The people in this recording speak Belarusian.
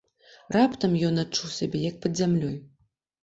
Раптам ён адчуў сябе як пад зямлёй.